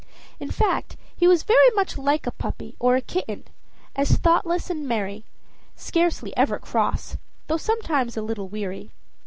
In fact, he was very much like a puppy or a kitten, as thoughtless and as merry scarcely ever cross, though sometimes a little weary.